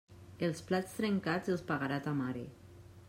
Els plats trencats els pagarà ta mare.